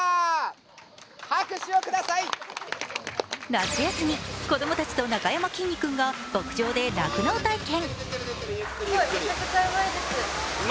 夏休み、子供たちとなかやまきんに君が牧場で酪農体験。